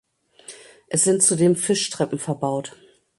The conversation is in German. Es sind zudem Fischtreppen verbaut.